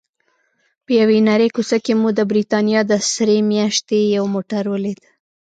په یوې نرۍ کوڅه کې مو د بریتانیا د سرې میاشتې یو موټر ولید.